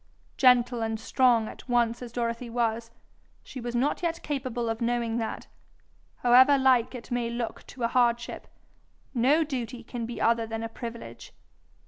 Gentle and strong at once as Dorothy was, she was not yet capable of knowing that, however like it may look to a hardship, no duty can be other than a privilege.